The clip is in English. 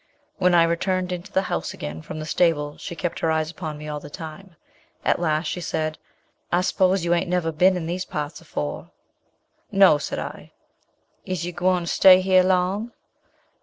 When I returned into the house again from the stable, she kept her eyes upon me all the time. At last she said, 'I s'pose you ain't never bin in these parts afore?' 'No,' said I. 'Is you gwine to stay here long?'